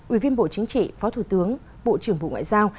ủy viên bộ chính trị phó thủ tướng bộ trưởng bộ ngoại giao